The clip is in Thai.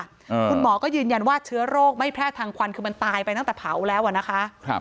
คุณหมอก็ยืนยันว่าเชื้อโรคไม่แพร่ทางควันคือมันตายไปตั้งแต่เผาแล้วอ่ะนะคะครับ